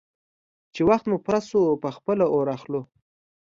_چې وخت مو پوره شو، په خپله اور اخلو.